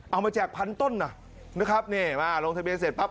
เอามาแจกพันต้นนะครับโรงทะเบียนเสร็จปั๊บ